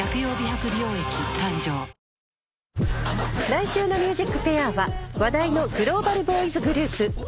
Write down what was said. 来週の『ＭＵＳＩＣＦＡＩＲ』は話題のグローバルボーイズグループ